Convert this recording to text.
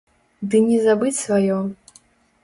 Ды не забыць сваё!